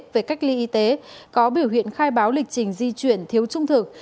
về cách ly y tế có biểu hiện khai báo lịch trình di chuyển thiếu trung thực